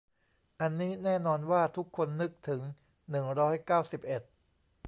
อันนี้แน่นอนว่าทุกคนนึกถึง หนึ่งร้อยเก้าสิบเอ็ด